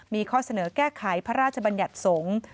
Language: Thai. มีข้อเสนอแก้ไขพระราชบัญญัติสงฆ์